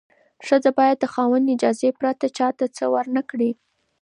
ښځه باید د خاوند اجازې پرته چا ته څه ورنکړي.